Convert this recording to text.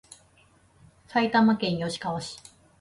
埼玉県吉川市